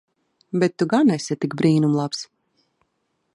Bet tu gan esi tik brīnum labs.